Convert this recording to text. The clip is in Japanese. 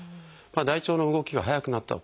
大腸の動きが速くなった